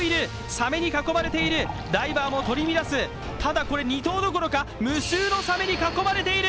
サメに囲まれている、ダイバーも取り乱す、ただこれ、２頭どころか、無数のサメに囲まれている